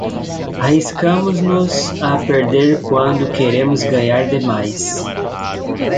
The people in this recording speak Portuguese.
Arriscamo-nos a perder quando queremos ganhar demais.